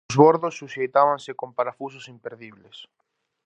Os bordos suxeitábanse con parafusos imperdibles.